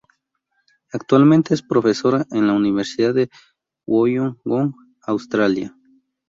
Actualmente es profesora en la Universidad de Wollongong, Australia.